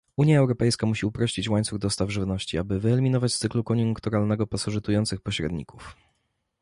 Unia Europejska musi uprościć łańcuch dostaw żywności, aby wyeliminować z cyklu koniunkturalnego pasożytujących pośredników